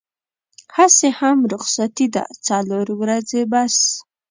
هسې هم رخصتي ده څلور ورځې بس.